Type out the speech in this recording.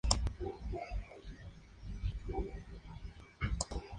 El día de su fallecimiento fue instituido fiesta nacional en Tailandia.